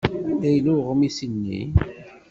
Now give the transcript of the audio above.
Anda yella uɣmis-nni?